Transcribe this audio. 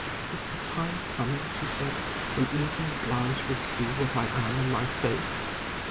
"Is the time coming," she said, "when even Blanche will see what I am in my face?"